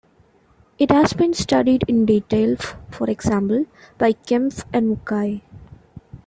It has been studied in detail, for example by Kempf and Mukai.